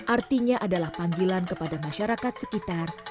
artinya adalah panggilan kepada masyarakat sekitar